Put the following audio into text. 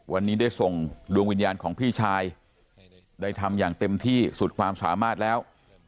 วันนี้ได้ส่งดวงวิญญาณของพี่ชายได้ทำอย่างเต็มที่สุดความสามารถแล้ว